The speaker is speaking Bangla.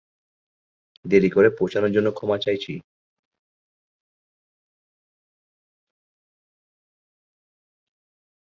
দেরি করে পৌছানোর জন্য ক্ষমা চাইছি।